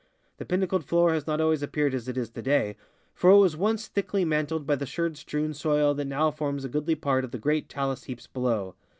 The pinnacled floor has not always appeared as it is today, for it was once thickly mantled by the sherd strewn soil that now forms a goodly part of the great talus heaps below.